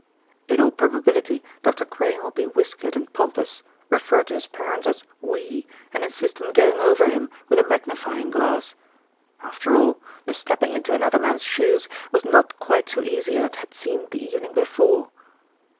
In all probability Dr. Crane would be whiskered and pompous, refer to his parents as "we," and insist on going over him with a magnifying glass. After all, the stepping into another man's shoes was not quite so easy as it had seemed the evening before.